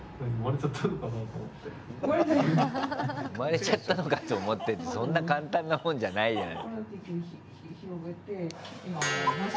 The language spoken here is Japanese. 産まれちゃったのかと思ってってそんな簡単なもんじゃないじゃん。